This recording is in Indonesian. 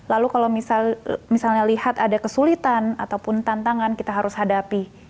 lalu kalau misalnya lihat ada kesulitan ataupun tantangan kita harus hadapi